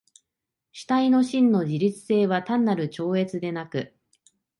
主体の真の自律性は単なる超越でなく、